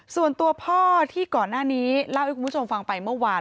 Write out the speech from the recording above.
ส่วนตัวพ่อที่ก่อนหน้านี้เล่าให้คุณผู้ชมฟังไปเมื่อวาน